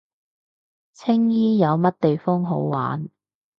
青衣冇乜地方好玩